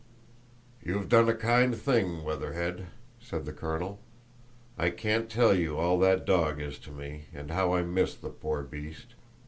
"You've done a kind thing, Weatherhead," said the colonel. "I can't tell you all that dog is to me, and how I missed the poor beast.